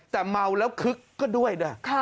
แต่เมาแล้วคึกก็ด้วยนะ